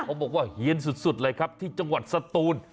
เขาบอกว่าเฮียนสุดเลยครับที่จังหวัดสตูน